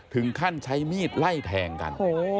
ถึงขั้นใช้มีดไล่แทงกัน